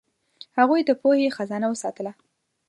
هغوی د پوهې خزانه وساتله.